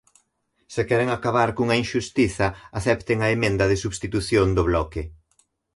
Se queren acabar cunha inxustiza, acepten a emenda de substitución do Bloque.